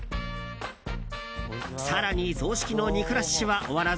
更に雑色の肉ラッシュは終わらず。